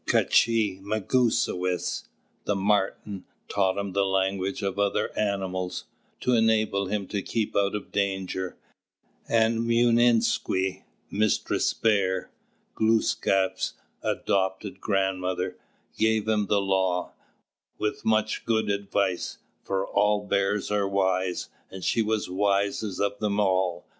"K'chī Megūsawess," the Martin, taught him the language of other animals, to enable him to keep out of danger, and Mūinsq', Mistress Bear, Glūskap's adopted grandmother, gave him the Law, with much good advice; for all Bears are wise, and she was wisest of them all.